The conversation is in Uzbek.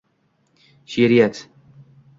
She’riyat.